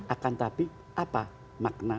akan tetapi apa makna